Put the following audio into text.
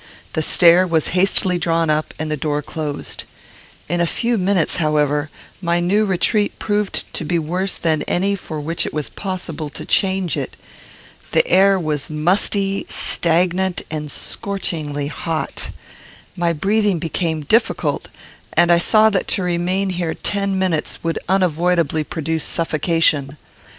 The stair was hastily drawn up, and the door closed. In a few minutes, however, my new retreat proved to be worse than any for which it was possible to change it. The air was musty, stagnant, and scorchingly hot. My breathing became difficult, and I saw that to remain here ten minutes would unavoidably produce suffocation.